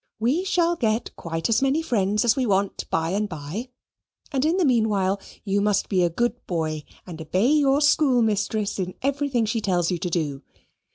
We shall get quite as many friends as we want by and by, and in the meanwhile you must be a good boy and obey your schoolmistress in everything she tells you to do.